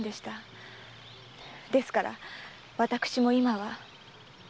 ですから私も今は。